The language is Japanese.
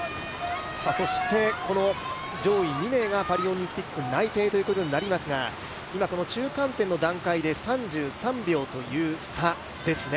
そして、この上位２名がパリオリンピック内定ということになりますが今、中間点の段階で３３秒という差ですね。